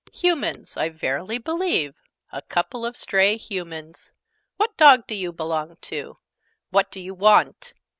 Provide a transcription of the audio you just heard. "Humans, I verily believe! A couple of stray Humans! What Dog do you belong to? What do you want?"